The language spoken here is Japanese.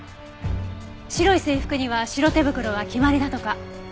白い制服には白手袋が決まりだとか。